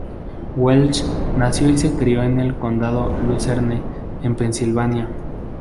Welsh nació y se crio en el Condado Luzerne en Pensilvania.